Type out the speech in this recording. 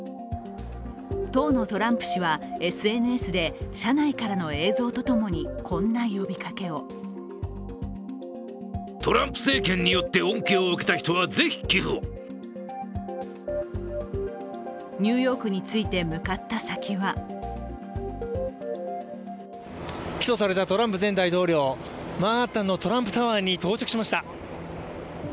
当のトランプ氏はＳＮＳで車内からの映像とともにこんな呼びかけをニューヨークに着いて向かった先は起訴されたトランプ前大統領、マンハッタンのトランプタワーに到着しました。